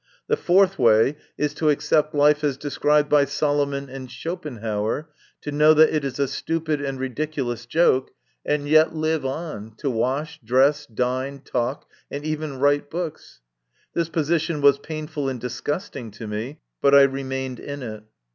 The fourth way is to accept 72 MY CONFESS/ON. life as described by Solomon and Schopenhauer, to know that it is a stupid and ridiculous joke, and yet live on, to wash, dress, dine, talk, and even write books. This position was painful and disgusting to me, but I remained in it.